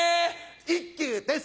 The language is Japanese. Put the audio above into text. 一休です